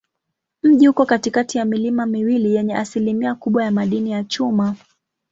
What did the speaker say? Mji uko katikati ya milima miwili yenye asilimia kubwa ya madini ya chuma.